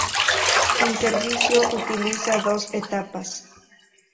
En servicio, utiliza dos etapas.